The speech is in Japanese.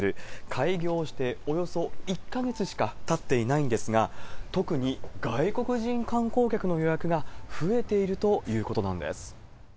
開業しておよそ１か月しかたっていないんですが、特に外国人観光客の予約が増えているということなんです。